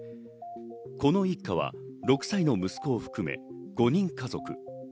この一家は６歳の息子含め５人家族。